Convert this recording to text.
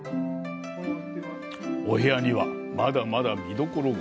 お部屋には、まだまだ見どころが。